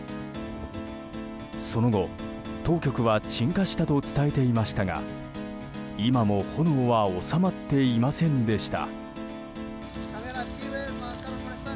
その後、当局は鎮火したと伝えていましたが今も炎は収まっていませんでした。